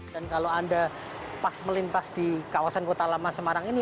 dan kalau anda pas melintas di kawasan kota lama semarang ini